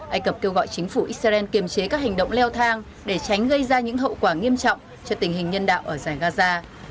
ai cập kêu gọi chính phủ israel kiềm chế các hành động leo thang để tránh gây ra những hậu quả nghiêm trọng cho tình hình nhân đạo ở giải gaza